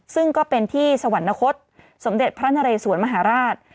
ซึ่งก็เป็นที่สวรรค์นครสสมเด็จพระนาเรสวรรค์มหาราช